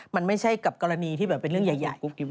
มันไม่ใช่กับกรณีที่แบบเป็นเรื่องใหญ่